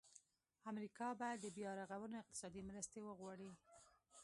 امریکا به د بیا رغولو اقتصادي مرستې وغواړي.